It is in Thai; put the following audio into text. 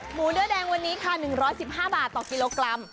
หมูเนื้อแดงวันนี้ค่ะ๑๑๕บาทต่อกิโลกรัม